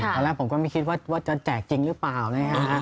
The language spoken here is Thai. ตอนแรกผมก็ไม่คิดว่าว่าจะแจกจริงหรือเปล่านะฮะ